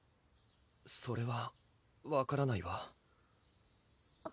それは分からないわ